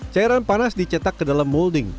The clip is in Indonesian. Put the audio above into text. cairan panas dicetak ke dalam molding